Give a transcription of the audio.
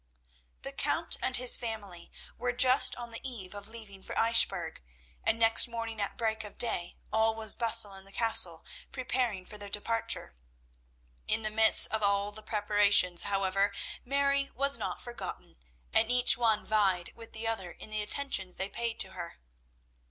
The Count and his family were just on the eve of leaving for Eichbourg, and next morning at break of day all was bustle in the castle, preparing for their departure. In the midst of all the preparations, however, Mary was not forgotten, and each one vied with the other in the attentions they paid to her.